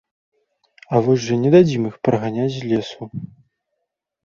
А вось жа не дадзім іх праганяць з лесу.